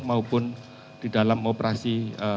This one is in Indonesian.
maupun di dalam operasi